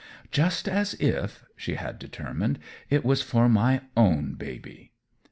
"Just as if," she had determined, "it was for my own baby."